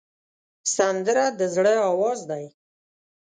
سندره د زړه آواز دی